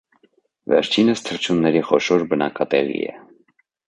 Վերջինս թռչունների խոշոր բնակատեղի է։